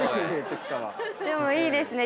でもいいですね。